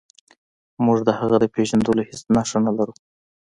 موږ د هغه د پیژندلو هیڅ نښه نلرو.